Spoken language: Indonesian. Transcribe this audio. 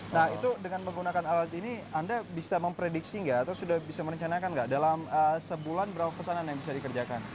nah itu dengan menggunakan alat ini anda bisa memprediksi nggak atau sudah bisa merencanakan nggak dalam sebulan berapa pesanan yang bisa dikerjakan